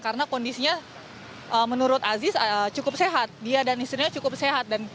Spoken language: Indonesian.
karena kondisinya menurut aziz cukup sehat dia dan istrinya cukup sehat